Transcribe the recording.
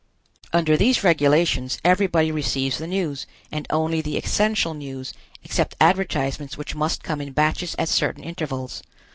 Under these regulations everybody receives the news, and only the essential news, except advertisements which must come in batches at certain intervals.